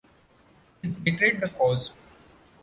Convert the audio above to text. He's betrayed the cause.